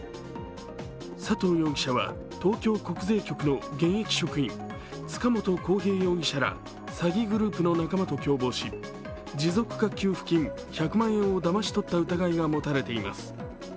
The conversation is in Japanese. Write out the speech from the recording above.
佐藤容疑者は東京国税局の現役職員、塚本晃平容疑者ら詐欺グループの仲間を共謀し、持続化給付金１００万円をだまし取った疑いが持たれています。